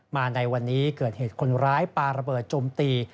ในวันนี้เกิดเหตุคนร้ายปาระเบิดจมตี